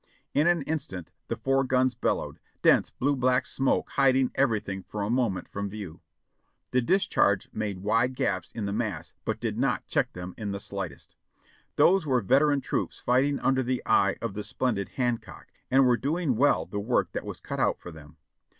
"In an instant the four guns bellowed, dense blue black smoke hiding everything for a moment from view. The discharge made wide gaps in the mass but did not check them in the slight est. Those were veteran troops fighting under the eye of the splendid Hancock, and were doing well the work that was cut out for them.